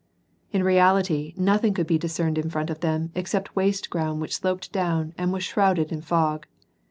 In reality, nothing could be discerned in front of them except waste ground which sloped down, and was shrouded in fog.